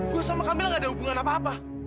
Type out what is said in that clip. gue sama kamila gak ada hubungan apa apa